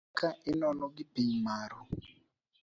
Ka inono gi piny maru.